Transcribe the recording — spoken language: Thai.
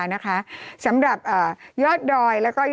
จำกัดจำนวนได้ไม่เกิน๕๐๐คนนะคะ